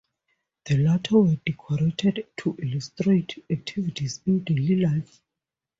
The latter were decorated to illustrate activities in daily life.